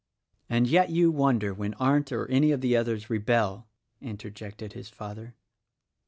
"And yet you wonder when Arndt or any of the others rebel!" interjected his father.